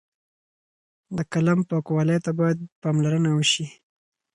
د قلم پاکوالۍ ته باید پاملرنه وشي.